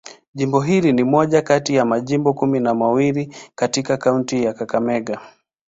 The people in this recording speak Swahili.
Jimbo hili ni moja kati ya majimbo kumi na mawili katika kaunti ya Kakamega.